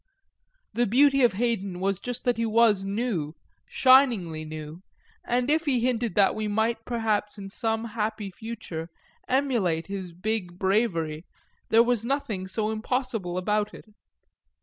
The beauty of Haydon was just that he was new, shiningly new, and if he hinted that we might perhaps in some happy future emulate his big bravery there was nothing so impossible about it.